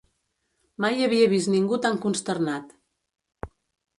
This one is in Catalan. Mai havia vist ningú tan consternat.